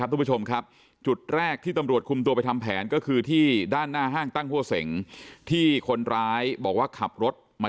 สำหรับผู้ชมครับจุดแรกที่ตำรวจด้านหน้าห้างตั้งหัวเส็งที่คนร้ายบอกว่าขับรถมา